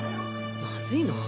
まずいな。